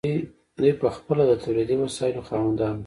دوی پخپله د تولیدي وسایلو خاوندان وو.